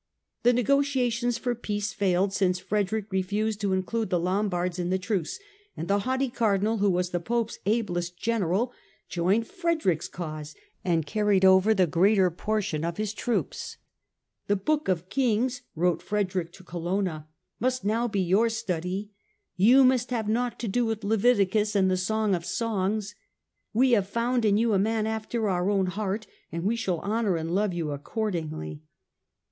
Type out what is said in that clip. The negotiations for peace failed since Frederick refused to include the Lombards in the truce, and the haughty Cardinal, who was the Pope's ablest general, joined Frederick's cause and carried over the greater portion of his troops. " The Book of Kings," wrote Frederick to Colonna, " must now be your study ; you must have nought to do with Leviticus and the Song of Songs. We have found in you a man after our own heart and we shall honour and love you accordingly."